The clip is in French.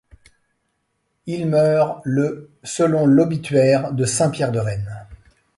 Il meurt le selon l'obituaire de Saint-Pierre de Rennes.